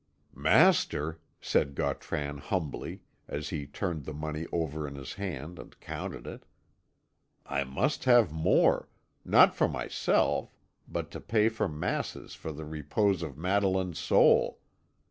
"Master," said Gautran humbly, as he turned the money over in his hand and counted it. "I must have more not for myself, but to pay for masses for the repose of Madeline's soul.